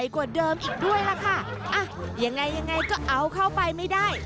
กว่าเดิมอีกด้วยล่ะค่ะอ่ะยังไงยังไงก็เอาเข้าไปไม่ได้